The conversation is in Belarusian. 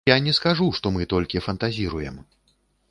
Я не скажу, што мы толькі фантазіруем.